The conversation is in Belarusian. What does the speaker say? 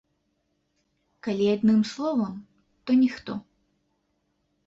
Калі адным словам, то ніхто.